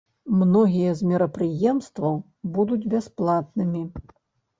Многія з мерапрыемстваў будуць бясплатнымі.